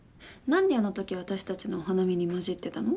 なんであの時私たちのお花見に混じってたの？